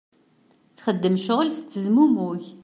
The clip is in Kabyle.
Txeddem ccɣel tettezmumug.